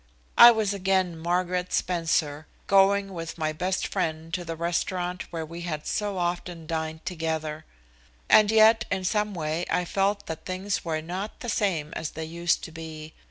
I was again Margaret Spencer, going with my best friend to the restaurant where we had so often dined together. And yet in some way I felt that things were not the same as they used to be.